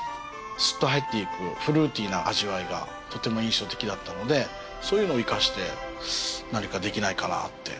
スッと入っていくフルーティーな味わいがとても印象的だったのでそういうのを生かして何かできないかなって。